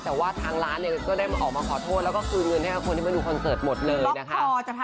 แต่ว่าทางร้านเนี่ยก็ได้ออกมาขอโทษแล้วก็คืนเงินให้กับคนที่มาดูคอนเสิร์ตหมดเลยนะคะ